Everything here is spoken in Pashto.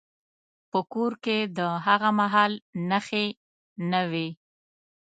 په کور کې د هغه مهال نښې نه وې.